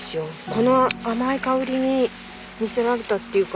この甘い香りに魅せられたっていうか。